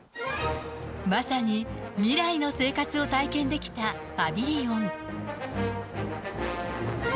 まさに、未来の生活を体験できたパビリオン。